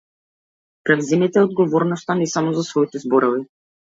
Преземете ја одговорноста не само за своите зборови.